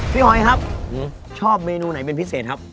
หอยครับชอบเมนูไหนเป็นพิเศษครับ